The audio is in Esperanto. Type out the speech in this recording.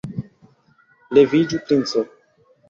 Leviĝu, princo.